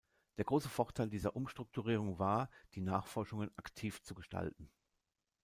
Der große Vorteil dieser Umstrukturierung war, die Nachforschungen aktiv zu gestalten.